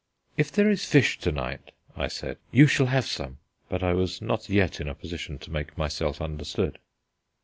"If there is fish to night," I said, "you shall have some." But I was not yet in a position to make myself understood.